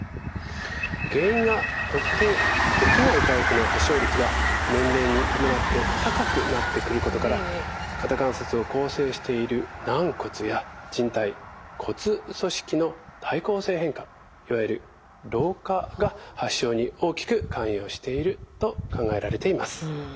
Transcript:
原因が特定できないタイプの発症率が年齢に伴って高くなってくることから肩関節を構成している軟骨やじん帯骨組織の退行性変化いわゆる老化が発症に大きく関与していると考えられています。